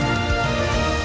hanno ku seiringi kembali